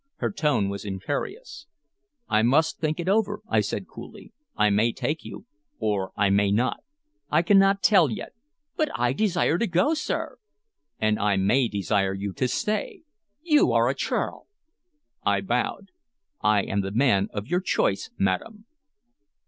Her tone was imperious. "I must think it over," I said coolly. "I may take you, or I may not. I cannot tell yet." "But I desire to go, sir!" "And I may desire you to stay." "You are a churl!" I bowed. "I am the man of your choice, madam."